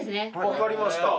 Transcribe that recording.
分かりました。